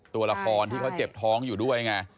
ตัวละครที่เขาเจ็บท้องอยู่ด้วยไง